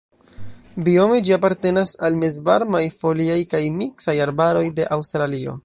Biome ĝi apartenas al mezvarmaj foliaj kaj miksaj arbaroj de Aŭstralio.